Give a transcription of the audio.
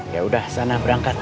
yaudah sana berangkat